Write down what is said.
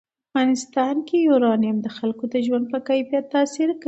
په افغانستان کې یورانیم د خلکو د ژوند په کیفیت تاثیر کوي.